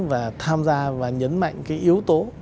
và tham gia và nhấn mạnh cái yếu tố